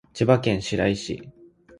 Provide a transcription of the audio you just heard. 千葉県白井市